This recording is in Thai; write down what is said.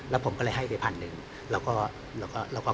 แล้วผมก็เลยให้ไปพันหนึ่งแล้วก็เราก็